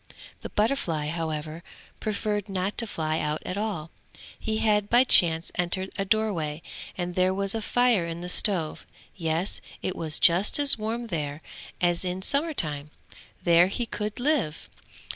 The butterfly however preferred not to fly out at all; he had by chance entered a door way, and there was fire in the stove yes, it was just as warm there, as in summer time; there he could live.